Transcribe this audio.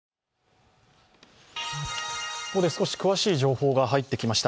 ここで少し詳しい情報が入ってきました。